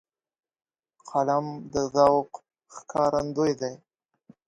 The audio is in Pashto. قلم د ذوق ښکارندوی دی